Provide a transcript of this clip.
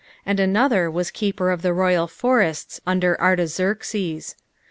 and nnoiher leas keeper of the royal forests under Arfaxerxes.